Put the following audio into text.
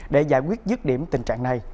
để giải quyết dứt điểm tình trạng này